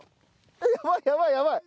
えっやばいやばいやばい。